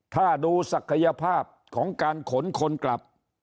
ถ้าดูศักยภาพของการขนคนกลับ